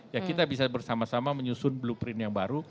ya kita bisa bersama sama menyusun blueprint yang baru